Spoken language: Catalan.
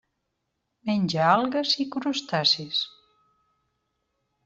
Menja algues i crustacis.